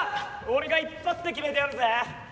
俺が一発で決めてやるぜ。